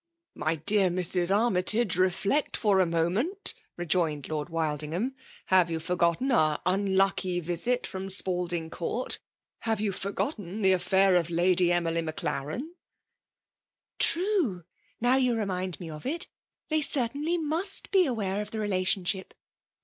*' My dear Mrs. Army tage, reflect for a mo ment !" rejoined Lord Wildingham. " Have you forgotten our unlucky visit from Spalding CJourt ? Have you forgotten the affair of Lady Emily Maclaren ?"" True !— now you remind me of it, — ^they certainly must he aware of the relationship.